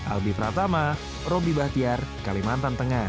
albi pratama robby bahtiar kalimantan tengah